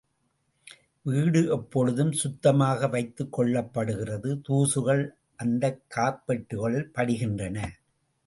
வீடு எப்பொழுதும் சுத்தமாக வைத்துக் கொள்ளப்படுகிறது தூசுகள் அந்தக் கார்ப்பெட்டுகளில் படிகின்றன.